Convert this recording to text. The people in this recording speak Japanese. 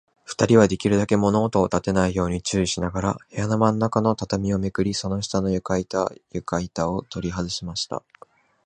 ふたりは、できるだけ物音をたてないように注意しながら、部屋のまんなかの畳をめくり、その下の床板ゆかいたをとりはずしました。